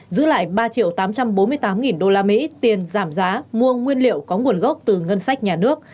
giữ lại ba triệu tám trăm bốn mươi tám usd tiền giảm giá mua nguyên liệu có nguồn gốc từ ngân sách nhà nước